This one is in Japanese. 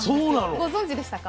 ご存じでしたか？